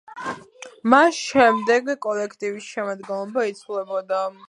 მას შემდეგ კოლექტივის შემადგენლობა იცვლებოდა.